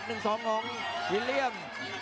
วิลเลี่ยม